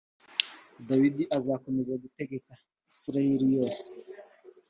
dawidi azakomeza gutegeka isirayeli yose.